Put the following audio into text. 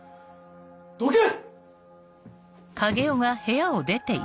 どけ！